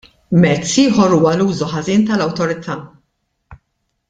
Mezz ieħor huwa l-użu ħażin tal-awtorità.